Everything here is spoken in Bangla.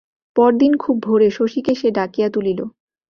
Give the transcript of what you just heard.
পরদিন খুব ভোরে শশীকে সে ডাকিয়া তুলিল।